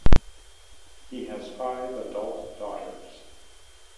He has five adult daughters.